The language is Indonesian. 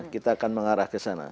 kita akan mengarah ke sana